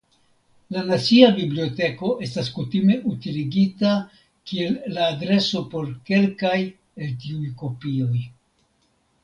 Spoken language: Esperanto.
La nacia biblioteko estas kutime utiligita kiel la adreso por kelkaj el tiuj kopioj.